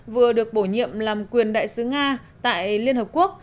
vừa được bổ nhiệm làm quyền đại sứ nga tại liên hợp quốc